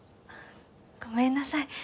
ごめんなさい。